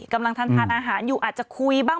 กำลังทานอาหารอยู่อาจจะคุยบ้าง